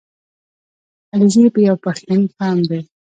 • علیزي یو پښتني قوم دی.